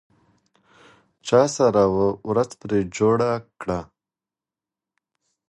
چا سره ورځ پرې جوړه کړه؟